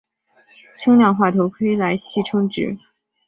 轻量化头盔来戏称之。